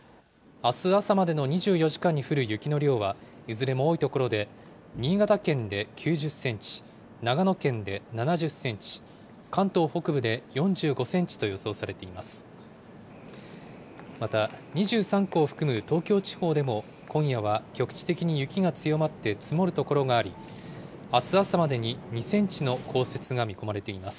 あす朝までの２４時間に降る雪の量は、いずれも多い所で、新潟県で９０センチ、長野県で７０センチ、関東北部で４５センチと予想されています。